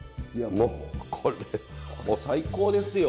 もう最高ですよ。